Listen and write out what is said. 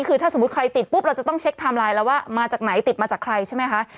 คือถ้าสมมุติใครติดปุ๊บเราจะต้องเช็คไทม์ไลน์แล้วว่ามาจากไหนติดมาจากใครใช่ไหมคะ